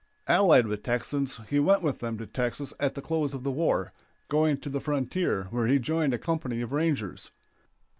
Allied with Texans he went with them to Texas at the close of the war, going to the frontier, where he joined a company of rangers.